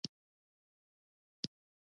نجلۍ چيغه کړه.